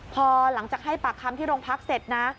พอหลังจากให้ปากคำที่โรงพักเสร็จนะ